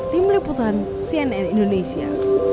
tim leputan cnn indonesia